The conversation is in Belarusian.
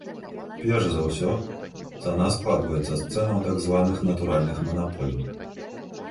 Перш за ўсё, цана складваецца з цэнаў так званых натуральных манаполій.